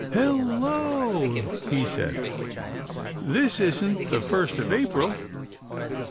"Hello!" he said. "This isn't the first of April."